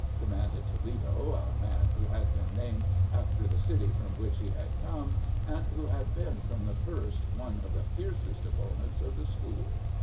demanded Toledo, a man who had been named after the city from which he had come, and who had been from the first one of the fiercest opponents of the school.